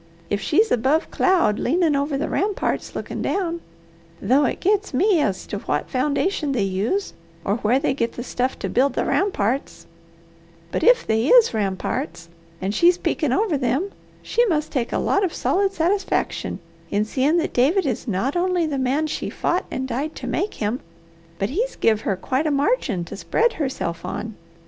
If she's above cloud leanin' over the ramparts lookin' down though it gets me as to what foundation they use or where they get the stuff to build the ramparts but if they is ramparts, and she's peekin' over them, she must take a lot of solid satisfaction in seeing that David is not only the man she fought and died to make him, but he's give her quite a margin to spread herself on.